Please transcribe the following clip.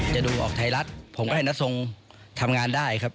จะดูออกไทยรัฐผมก็ให้น้าทรงทำงานได้ครับ